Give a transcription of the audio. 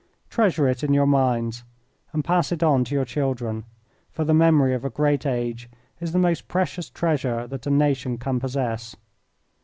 Treasure it in your minds and pass it on to your children, for the memory of a great age is the most precious treasure that a nation can possess.